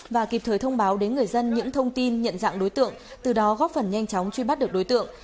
và kịp thời thông báo đến người dân những thông tin nhận dạng đối tượng từ đó góp phần nhanh chóng truy bắt được đối tượng